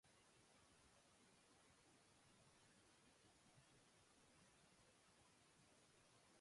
Participó del homenajes y de entrevistas a Madres Rosario.